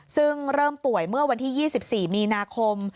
ซึ่งเริ่มป่วยเมื่อวันที่๒๔มีนาคม